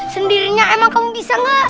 sendirinya emang kamu bisa nggak